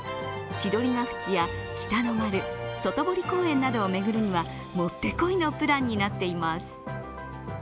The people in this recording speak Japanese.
千鳥ケ淵や北の丸外濠公園などを巡るにはもってこいのプランになっています。